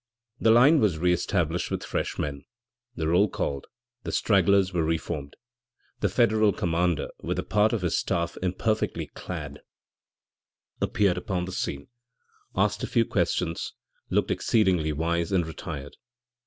The line was re established with fresh men, the roll called, the stragglers were re formed. The Federal commander, with a part of his staff, imperfectly clad, appeared upon the scene, asked a few questions, looked exceedingly wise and retired.